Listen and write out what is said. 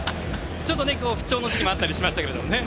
不調の時期もあったりしましたけどね。